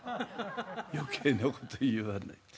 「余計なこと言わない。